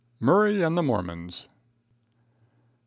Murray and the Mormons. Gov.